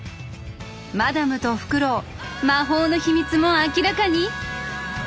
マダムとフクロウ魔法の秘密も明らかに？